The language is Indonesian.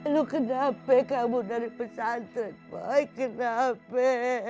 lu kenapa kamu dari pesantren pake kenapa